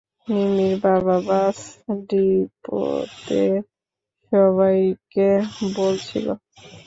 মিমির বাবা বাস ডিপোতে সবাইকে বলছিল।